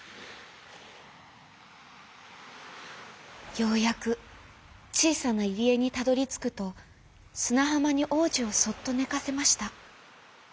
ようやくちいさないりえにたどりつくとすなはまにおうじをそっとねかせました。